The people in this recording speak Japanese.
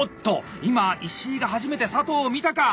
今石井が初めて佐藤を見たか！